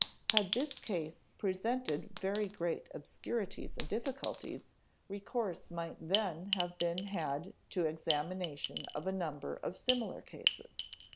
Had this case presented very great obscurities and difficulties, recourse might then have been had to examination of a number of similar cases.